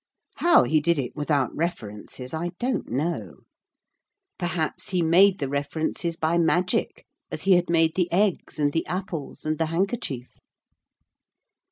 How he did it without references I don't know. Perhaps he made the references by magic as he had made the eggs, and the apples, and the handkerchief.